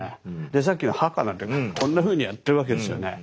でさっきのハカなんてこんなふうにやってるわけですよね。